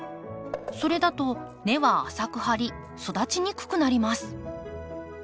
それだと根は浅く張り育ちにくくなります。